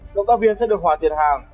công tác viên sẽ được hòa tiền hàng